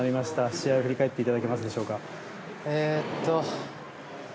試合を振り返っていかがでしょうか。